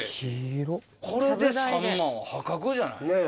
これで３万は破格じゃない？